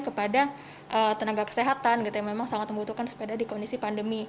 kepada tenaga kesehatan gitu yang memang sangat membutuhkan sepeda di kondisi pandemi